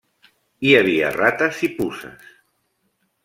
Hi havia rates i puces.